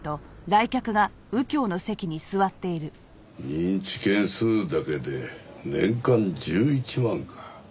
認知件数だけで年間１１万か。